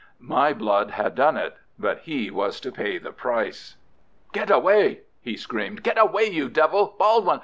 My blood had done it, but he was to pay the price. "Get away!" he screamed. "Get away, you devil! Baldwin!